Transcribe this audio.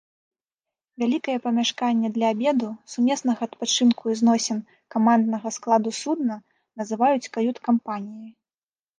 Вялікае памяшканне для абеду, сумеснага адпачынку і зносін каманднага складу судна называюць кают-кампаніяй.